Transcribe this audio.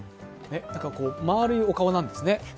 丸いお顔なんですね。